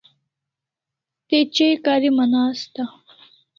Te chai kariman asta